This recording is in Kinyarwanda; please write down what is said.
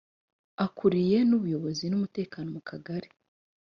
akuriye n’ubuyobozi n’umutekano mu kagari